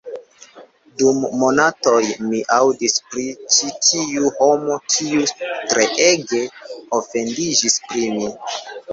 Dum monatoj, mi aŭdis pri ĉi tiu homo, kiu treege ofendiĝis pri mi